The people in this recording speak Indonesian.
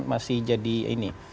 masih jadi ini